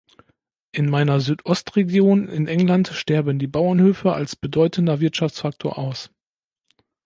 In meiner Südostregion in England sterben die Bauernhöfe als bedeutender Wirtschaftsfaktor aus.